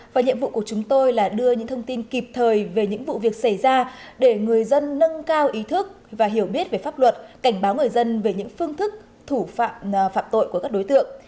và nhiệm vụ của chúng tôi là đưa những thông tin kịp thời về những vụ việc xảy ra để người dân nâng cao ý thức và hiểu biết về pháp luật cảnh báo người dân về những phương thức thủ phạm tội của các đối tượng